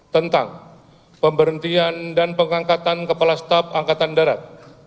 tentang pemberhentian dan pengangkatan kepala staf angkatan darat